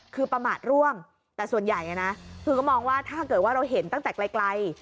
คือประมาทร่วมแต่ส่วนใหญ่นะคือก็มองว่าถ้าเกิดว่าเราเห็นตั้งแต่ไกล